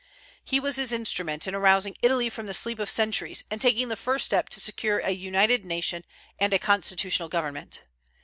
He was His instrument in arousing Italy from the sleep of centuries, and taking the first step to secure a united nation and a constitutional government.